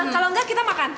kalau enggak kita makan